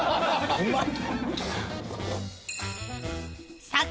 うまっ！